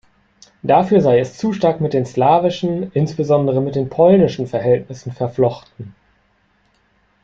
Dafür sei es zu stark mit den slawischen, insbesondere mit den polnischen Verhältnissen verflochten.